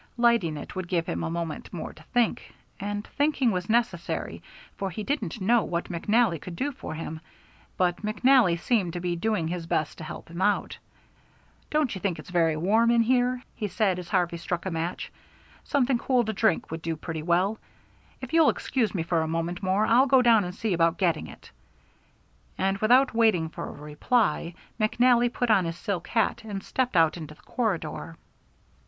Lighting it would give him a moment more to think, and thinking was necessary, for he didn't know what McNally could do for him. But McNally seemed to be doing his best to help him out. "Don't you think it very warm here?" he said, as Harvey struck a match. "Something cool to drink would go pretty well. If you'll excuse me for a moment more I'll go down and see about getting it," and without waiting for a reply, McNally put on his silk hat and stepped out into the corridor.